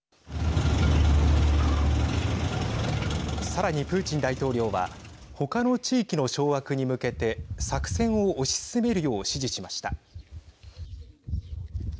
さらに、プーチン大統領はほかの地域の掌握に向けて作戦を推し進めるよう指示しました。